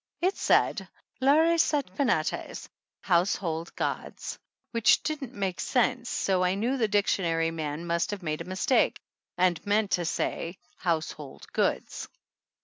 It said: "Lares et Penates, household gods," which didn't make sense, so I knew the dictionary man must have made a mistake and meant to say household goods.